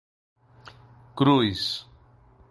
Cruz